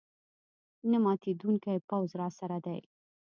نه ماتېدونکی پوځ راسره دی.